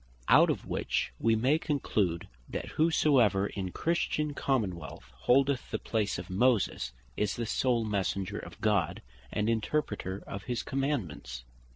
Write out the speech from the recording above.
Out of which we may conclude, that whosoever in a Christian Common wealth holdeth the place of Moses, is the sole Messenger of God, and Interpreter of his Commandements.